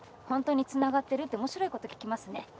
「本当につながってる？」って面白いこと聞きますね。